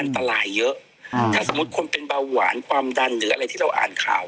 ตายเยอะถ้าสมมุติคนเป็นเบาหวานความดันหรืออะไรที่เราอ่านข่าว